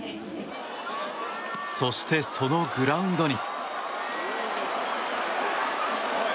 そして、そのグラウンドに。